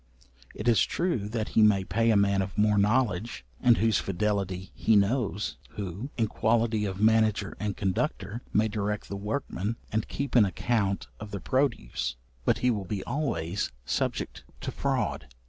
It is true that he may pay a man of more knowledge, and whose fidelity he knows, who, in quality of manager and conductor, may direct the workmen, and keep an account of the produce; but he will be always subject to fraud.